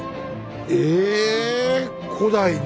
え古代に？